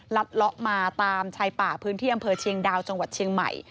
เลาะมาตามชายป่าพื้นที่อำเภอเชียงดาวจังหวัดเชียงใหม่